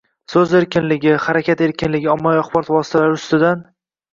so‘z erkinligi, harakat erkinligi, ommaviy axborot vositalari ustidan